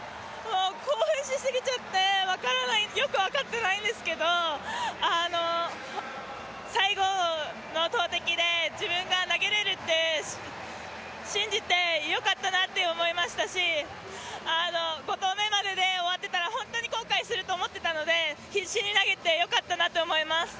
興奮しすぎちゃって、よく分かってないんですけど、最後の投てきで自分が投げれるって信じてよかったなって思いましたし５投目までで終わってたら本当に後悔すると思っていたので必死に投げてよかったなって思います。